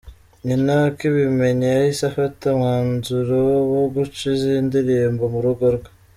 Nyina akibimenya yahise afata umwanzuro wo guca izi ndirimbo mu rugo rwe.